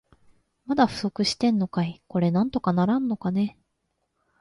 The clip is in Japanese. まだ不足してんのかい。これなんとかならんのかね。